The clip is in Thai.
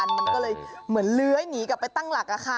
มันก็เลยเหมือนเลื้อยหนีกลับไปตั้งหลัก